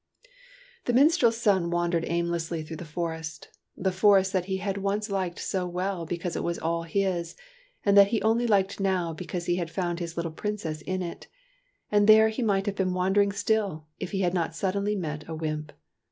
The minstrel's son wandered aimlessly through the forest, — the forest that he had once liked so well because it was all his, and that he only liked now because he had found his little Princess in it; and there he might have been wandering still, if he had not sud denly met a wymp.